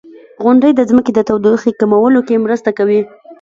• غونډۍ د ځمکې د تودوخې کمولو کې مرسته کوي.